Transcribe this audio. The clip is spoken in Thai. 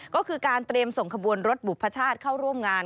ก็คือการเตรียมส่งขบวนรถบุพชาติเข้าร่วมงาน